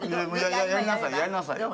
やりなさいやりなさい。